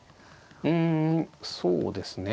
うんそうですね